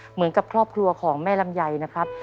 เหมือนกับครอบครัวของแม่ลำไยนะครับ